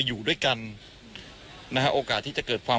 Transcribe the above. คุณทัศนาควดทองเลยค่ะ